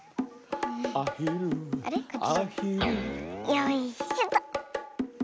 よいしょと。